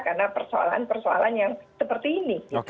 karena persoalan persoalan yang seperti ini